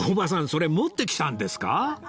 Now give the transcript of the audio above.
それ持ってきたんですか？